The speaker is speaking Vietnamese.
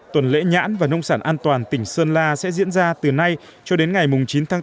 tuần lễ nhãn và nông sản an toàn tỉnh sơn la sẽ diễn ra từ nay cho đến ngày chín tháng bốn